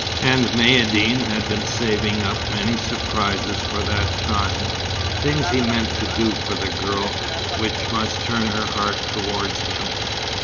And Maïeddine had been saving up many surprises for that time, things he meant to do for the girl, which must turn her heart towards him.